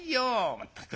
まったく。